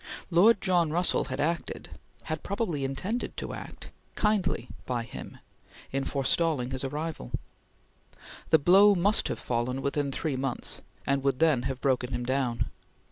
Lord John Russell had acted had probably intended to act kindly by him in forestalling his arrival. The blow must have fallen within three months, and would then have broken him down.